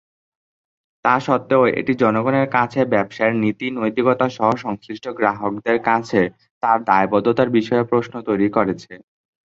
তা স্বত্ত্বেও, এটি জনগণের কাছে ব্যবসায়ের নীতি-নৈতিকতাসহ সংশ্লিষ্ট গ্রাহকদের কাছে তার দায়বদ্ধতার বিষয়েও প্রশ্ন তৈরী করেছে।